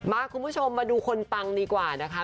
คุณผู้ชมมาดูคนปังดีกว่านะคะ